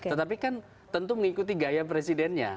tetapi kan tentu mengikuti gaya presidennya